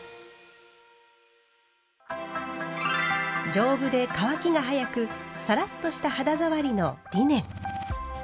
丈夫で乾きが早くサラッとした肌触りのリネン。